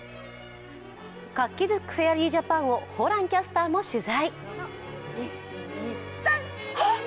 活気づくフェアリージャパンをホランキャスターも取材。